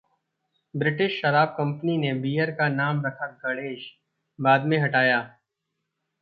British शराब company ने beer का नाम रखा 'गणेश', बाद में हटाया